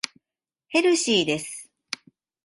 ヘルシーです。